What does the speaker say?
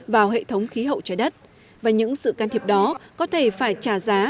vào hệ thống khí hậu trái đất và những sự can thiệp đó có thể phải trả giá